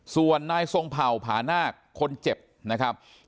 ส่วนนายทรงเผ่าผานาคคนเจ็บนะครับ